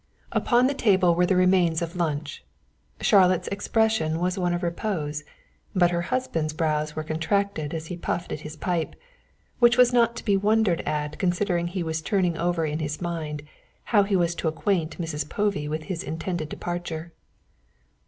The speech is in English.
Upon the table were the remains of lunch. Charlotte's expression was one of repose, but her husband's brows were contracted as he puffed at his pipe, which was not to be wondered at considering he was turning over in his mind how he was to acquaint Mrs. Povey with his intended departure.